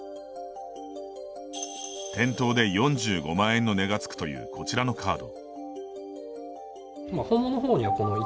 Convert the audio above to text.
店頭で４５万円の値がつくというこちらのカード。